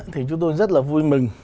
thì chúng tôi rất là vui mừng